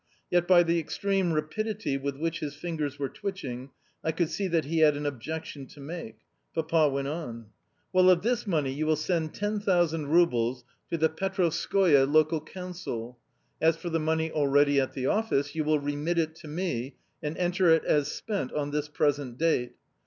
Yet by the extreme rapidity with which his fingers were twitching I could see that he had an objection to make. Papa went on: "Well, of this money you will send 10,000 roubles to the Petrovskoe local council. As for the money already at the office, you will remit it to me, and enter it as spent on this present date."